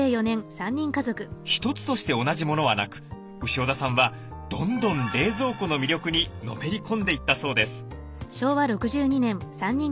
一つとして同じものはなく潮田さんはどんどん冷蔵庫の魅力にのめり込んでいったそうです。